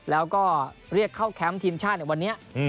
แล้วก็เรียกเข้าแคมป์ทีมชาติในวันนี้